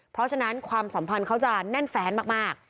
เพราะฉะนั้นความสัมพันธ์เขาจะแน่นแฟนมาก